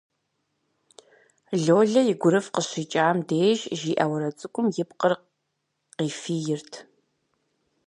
Лолэ и гурыфӀ къыщикӀам деж жиӀэ уэрэд цӀыкӀум и пкъыр къифийрт.